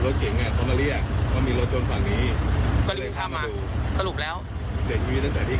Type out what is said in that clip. หรือสักเหตุเกิดจากอะไร